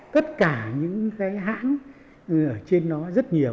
tất cả những cái hãng ở trên nó rất nhiều